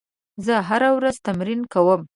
زه هره ورځ تمرین کوم.